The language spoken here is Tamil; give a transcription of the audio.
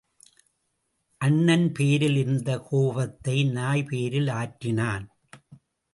அண்ணன் பேரில் இருந்த கோபத்தை நாய்பேரில் ஆற்றினான்.